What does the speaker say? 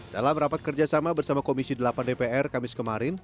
dalam rapat kerjasama bersama komisi delapan dpr kamis kemarin